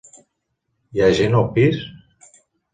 Hi ha gent al pis?